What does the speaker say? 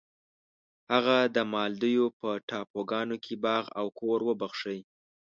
هغه د مالدیو په ټاپوګانو کې باغ او کور وبخښی.